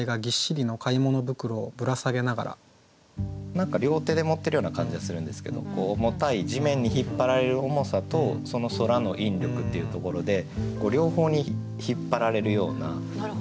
何か両手で持ってるような感じがするんですけど重たい地面に引っ張られる重さとその空の引力っていうところで両方に引っ張られるような背筋が伸びるような。